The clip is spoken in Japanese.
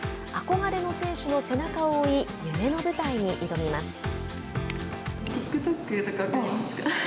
憧れの選手の背中を追い夢の舞台に挑みます。